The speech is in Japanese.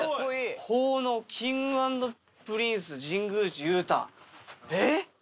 奉納Ｋｉｎｇ＆Ｐｒｉｎｃｅ神宮寺勇太。